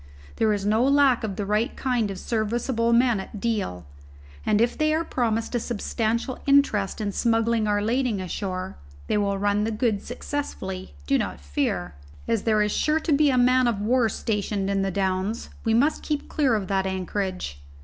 There is no lack of the right kind of serviceable men at Deal, and if they are promised a substantial interest in smuggling our lading ashore, they will run the goods successfully, do not fear. As there is sure to be a man of war stationed in the Downs, we must keep clear of that anchorage.